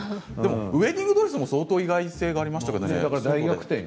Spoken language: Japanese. ウエディングドレスも意外性がありましたよね。